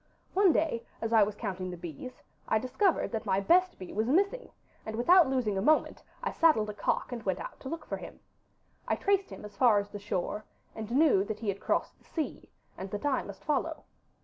One day, as I was counting the bees, I discovered that my best bee was missing, and without losing a moment I saddled a cock and went out to look for him. I traced him as far as the shore, and knew that he had crossed the sea, and that I must follow.